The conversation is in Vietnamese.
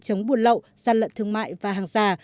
chống buôn lậu gian lận thương mại và hàng già